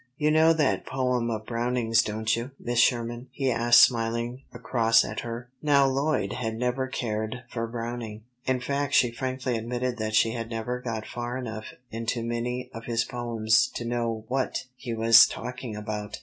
"You know that poem of Browning's, don't you, Miss Sherman?" he asked, smiling across at her. Now Lloyd had never cared for Browning. In fact she frankly admitted that she had never got far enough into many of his poems to know what he was talking about.